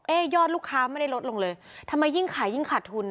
ยอดลูกค้าไม่ได้ลดลงเลยทำไมยิ่งขายยิ่งขาดทุน